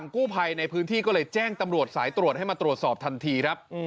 กู้ภัยในพื้นที่ก็เลยแจ้งตำรวจสายตรวจให้มาตรวจสอบทันทีครับ